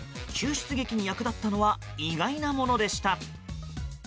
救出劇に役立ったのは意外なものでした。